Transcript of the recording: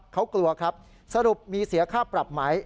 เขากลัวครับสรุปมีเสียค่าปรับไหม